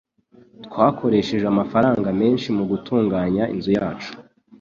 Twakoresheje amafaranga menshi mugutunganya inzu yacu.